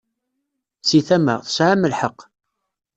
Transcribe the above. Seg tama, tesɛam lḥeqq.